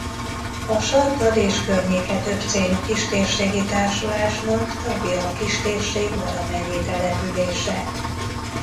A Sarkad és Környéke Többcélú Kistérségi Társulásnak tagja a kistérség valamennyi települése.